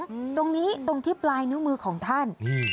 ตรงนี้ตรงที่ปลายนิ้วมือของท่านอืม